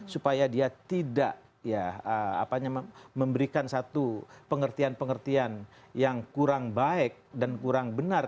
supaya dia tidak memberikan satu pengertian pengertian yang kurang baik dan kurang benar